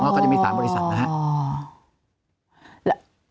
ก็จะมี๓บริษัทนะครับ